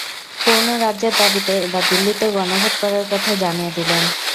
পূর্ণ রাজ্যের দাবিতে এবার দিল্লিতেও গণভোট করার কথা তিনি জানিয়ে দিলেন।